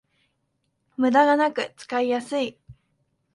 ムダがなく使いやすい